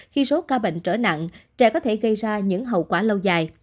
khi số ca bệnh trở nặng trẻ có thể gây ra những hậu quả lâu dài